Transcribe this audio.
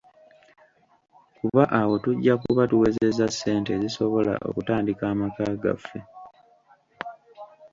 Kuba awo tujja kuba tuwezezza ssente ezisobola okutandika amaka gaffe.